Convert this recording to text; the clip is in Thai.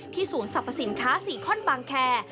ที่ศูนย์สรรพสินค้าสี่ข้อนบังแคร